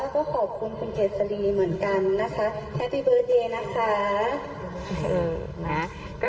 แล้วก็ขอบคุณคุณเกียรติฤทธิ์เหมือนกันนะคะ